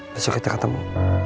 besok kita ketemu